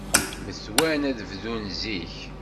Mtawan ad bdun zik.